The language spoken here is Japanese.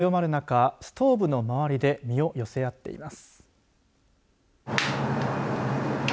寒さが強まる中ストーブの周りで身を寄せ合っています。